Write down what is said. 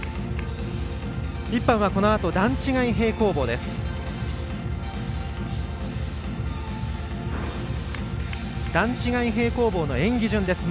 １班はこのあと段違い平行棒です。